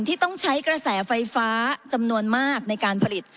ที่ต้องใช้กระแสไฟฟ้าจำนวนมากในการผลิต